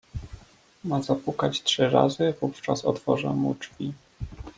"Ma zapukać trzy razy, wówczas otworzę mu drzwi."